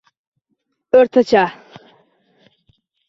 — O‘rtacha…